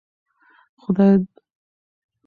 خلک دا بدلون ستایي.